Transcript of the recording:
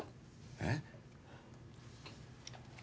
えっ。